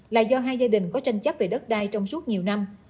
là do hai gia đình có tranh chấp về đất đai trong suốt nhiều năm